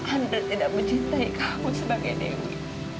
andrei tidak mencintai kamu sebagai dewi